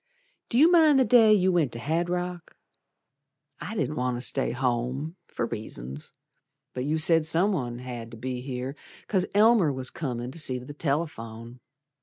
Do you mind the day you went to Hadrock? I didn't want to stay home for reasons, But you said someone 'd have to be here 'Cause Elmer was comin' to see t' th' telephone.